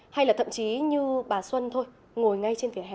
hay là thậm chí như bà xuân thôi ngồi ngay trên vỉa hè